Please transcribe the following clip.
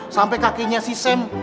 sampai kakinya si sam